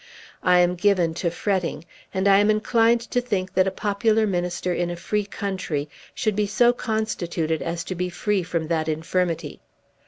I am given to fretting, and I am inclined to think that a popular minister in a free country should be so constituted as to be free from that infirmity.